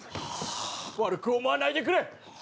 悪く思わないでくれ。